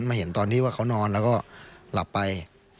เห็นตอนที่ว่าเขานอนแล้วก็หลับไป